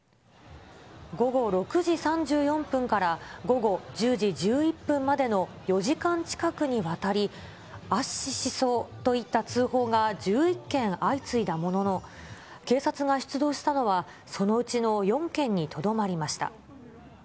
午後６時３４分から午後１０時１１分までの４時間近くにわたり、圧死しそうといった通報が１１件相次いだものの、警察が出動したのは、そのうちの４件にとどまりました。